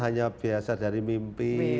hanya biasa dari mimpi